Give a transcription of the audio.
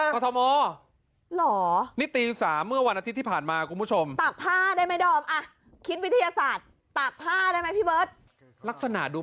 กระทำอดนี่นะกระทำอดกระทำอด